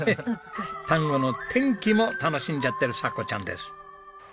丹後の天気も楽しんじゃってるさっこちゃんです。